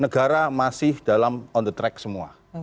negara masih dalam on the track semua